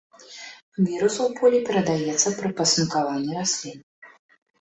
Вірус у полі перадаецца пры пасынкаванні раслін.